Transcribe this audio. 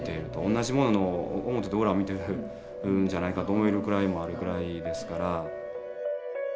同じものの表と裏を見てるんじゃないかと思えるくらいですから。